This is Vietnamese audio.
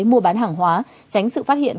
mua bán hàng hóa tránh sự phát hiện